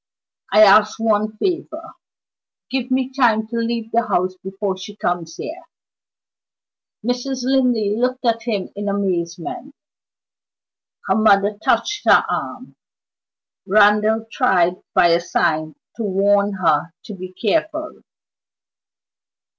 I ask one favor give me time to leave the house before she comes here." Mrs. Linley looked at him in amazement. Her mother touched her arm; Randal tried by a sign to warn her to be careful.